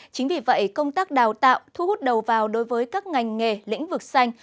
chính vì vậy công tác đào tạo thu hút đầu vào đối với các ngành nghề lĩnh vực xanh